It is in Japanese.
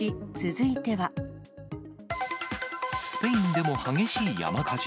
スペインでも激しい山火事。